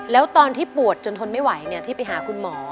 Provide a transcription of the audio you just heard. แล้วตอนที่ปวดจนทนไม่ไหวที่ไปหาคุณหมอ